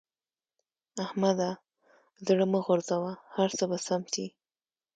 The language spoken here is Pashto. احمده! زړه مه غورځوه؛ هر څه به سم شي.